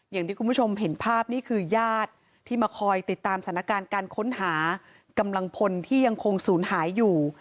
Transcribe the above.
อย่างที่คุณผู้ชมเห็นภาพนี่คือญาติที่มาคอยติดตามสถานการณ์การค้นหากำลังพลที่ยังคงศูนย์หายอยู่